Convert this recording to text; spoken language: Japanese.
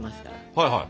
はいはい。